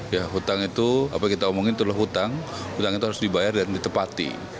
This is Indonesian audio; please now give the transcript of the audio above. ya hutang itu apa yang kita omongin itu adalah hutang hutang itu harus dibayar dan ditepati